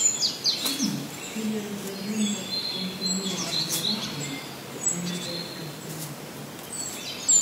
Kune, ili reprezentas kontinuan movadon ene de senfineco.